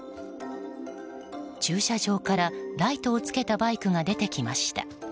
駐車場からライトをつけたバイクが出てきました。